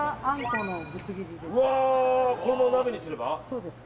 そうです。